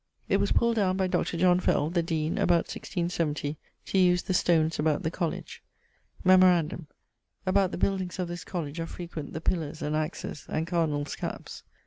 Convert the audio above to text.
It was pulled downe by Dr. John Fell (the Deane) about 1670, to use the stones about the Colledge. Memorandum: about the buildings of this Colledge are frequent the pillars, and axes, and Cardinall's cappes.